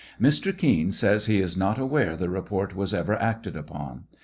Mr Kean says he is not aware the report was ever acted upon.